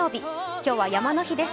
今日は山の日です